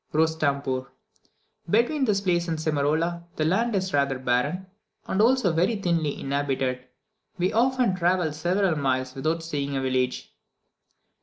Rostampoor. Between this place and Simarola, the land is rather barren, and also very thinly inhabited; we often travelled several miles without seeing a village.